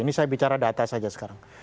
ini saya bicara data saja sekarang